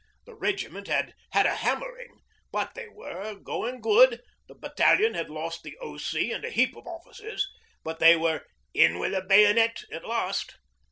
The regiment had had a hammering, but they were going good; the battalion had lost the O.C. and a heap of officers, but they were 'in wi' the bayonet' at last.